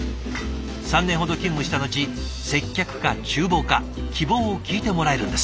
３年ほど勤務したのち接客かちゅう房か希望を聞いてもらえるんです。